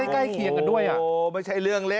ใกล้เคียนกันด้วยอะ